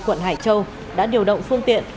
quận hải châu đã điều động phương tiện